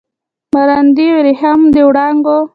مراندې وریښم د وړانګو